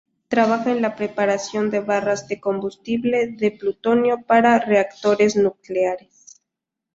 Trabaja en la preparación de barras de combustible de plutonio para reactores nucleares.